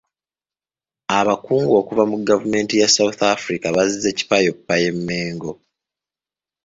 Abakungu okuva mu gavumenti ya South Africa bazze kipayoppayo e Mengo.